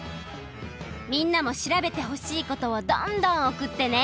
みんなも調べてほしいことをどんどんおくってね！